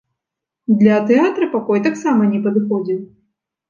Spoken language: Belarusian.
Для тэатра пакой таксама не падыходзіў.